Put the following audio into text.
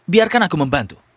biarkan aku membantu